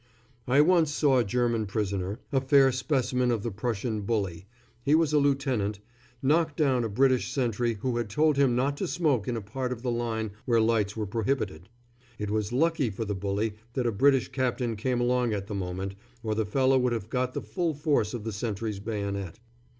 I once saw a German prisoner, a fair specimen of the Prussian bully he was a lieutenant knock down a British sentry who had told him not to smoke in a part of the line where lights were prohibited. It was lucky for the bully that a British captain came along at the moment, or the fellow would have got the full force of the sentry's bayonet.